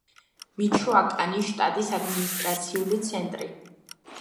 მიჩოაკანის შტატის ადმინისტრაციული ცენტრი.